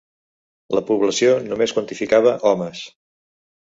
La població només quantificava homes.